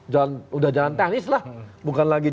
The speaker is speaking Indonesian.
jalan udah jalan teknis lah bukan lagi